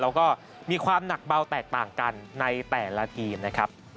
แล้วก็มีความหนักเบาแตกต่างกันในแต่ละทีมนะครับ